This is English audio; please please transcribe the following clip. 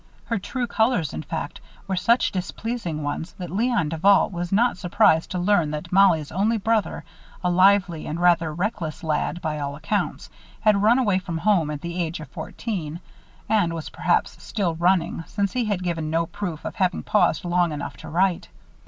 Her true colors, in fact, were such displeasing ones that Léon Duval was not surprised to learn that Mollie's only brother, a lively and rather reckless lad, by all accounts, had run away from home at the age of fourteen and was perhaps still running, since he had given no proof of having paused long enough to write.